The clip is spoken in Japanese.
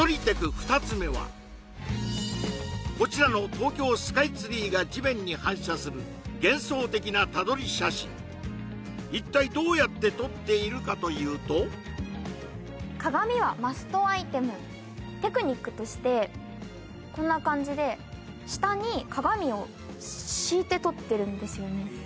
２つ目はこちらの東京スカイツリーが地面に反射する幻想的な他撮り写真一体どうやって撮っているかというとテクニックとしてこんな感じで下に鏡を敷いて撮ってるんですよね